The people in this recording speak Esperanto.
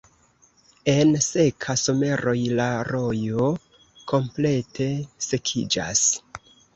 En seka someroj la rojo komplete sekiĝas.